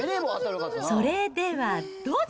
それではどうぞ。